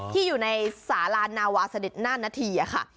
ที่อยู่ในสาลานาวาเสด็จนานนาทีค่ะ